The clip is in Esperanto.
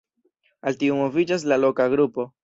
Al tiu moviĝas la "Loka Grupo".